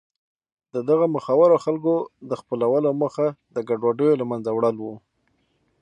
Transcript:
د دغو مخورو خلکو د خپلولو موخه د ګډوډیو له منځه وړل و.